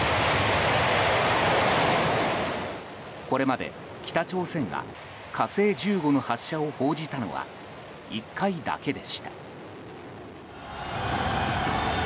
これまで北朝鮮が「火星１５」の発射を報じたのは１回だけでした。